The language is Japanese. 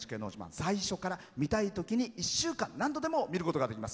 最初から見たいときに１週間何度でも見ることができます。